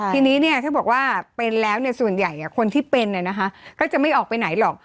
ทีนี้ถ้าบอกว่าเป็นแล้วส่วนใหญ่คนที่เป็นก็จะไม่ออกไปไหนหรอก